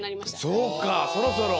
そうかそろそろ。